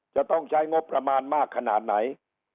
จะต้องใช้งบประมาณมากขนาดไหน